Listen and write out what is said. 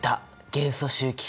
元素周期表。